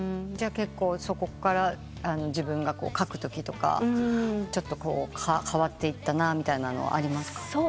結構そこから自分が書くときとかちょっと変わっていったなみたいなのはありますか？